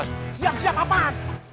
siap siap apat